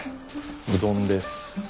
うどんです。